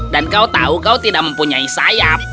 dan kau tahu kau tidak mempunyai sayap